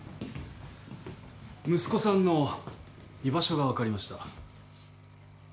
息子さんの居場所が分かりました。